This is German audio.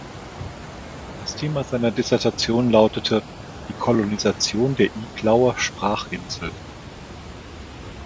Das Thema seiner Dissertation lautete "Die Kolonisation der Iglauer Sprachinsel".